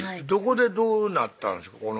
どこでどうなったんですか？